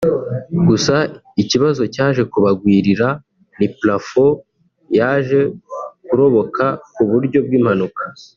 gusa ikibazo cyaje kubagwirira ni plafon yaje kuroboka ku buryo bw’impanuka